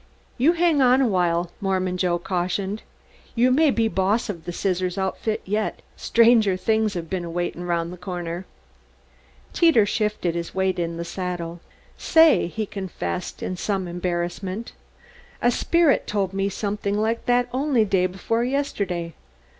"You hang on a while," Mormon Joe cautioned. "You may be boss of the Scissor Outfit yet stranger things have been waiting around the corner." Teeters shifted his weight in the saddle. "Say," he confessed in some embarrassment, "a sperrit told me somethin' like that only day 'fore yisterday.